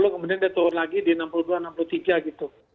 kemudian dia turun lagi di enam puluh dua enam puluh tiga gitu